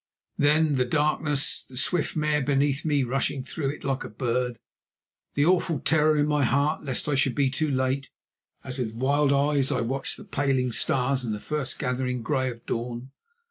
Then, the darkness, the swift mare beneath me rushing through it like a bird, the awful terror in my heart lest I should be too late, as with wild eyes I watched the paling stars and the first gathering grey of dawn.